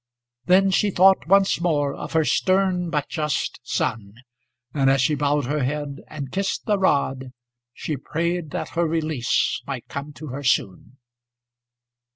Then she thought once more of her stern but just son, and as she bowed her head and kissed the rod, she prayed that her release might come to her soon.